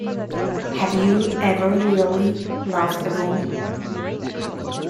Have You Ever Really Loved a Woman?